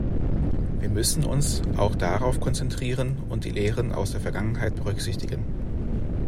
Wir müssen uns auch darauf konzentrieren und die Lehren aus der Vergangenheit berücksichtigen.